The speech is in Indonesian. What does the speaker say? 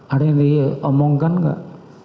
ada yang dia omongkan gak